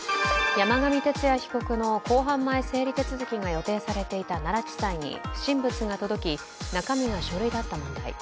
山上徹也被告の公判前整理手続が予定されていた奈良地裁に不審物が届き中身が書類だった問題。